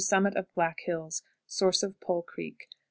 Summit of Black Hills. Source of Pole Creek.